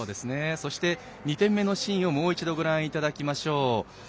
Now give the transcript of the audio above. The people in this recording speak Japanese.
そして、２点目のシーンをもう一度ご覧いただきましょう。